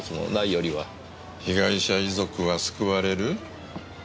被害者遺族は救われる？